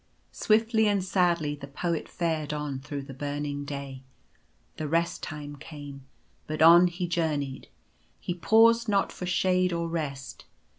Swiftly and sadly the Poet fared on through the burning day. The Rest Time came ; but on he journeyed. He paused not for shade or rest.